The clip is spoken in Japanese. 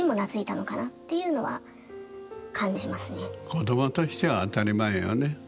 子どもとしては当たり前よね。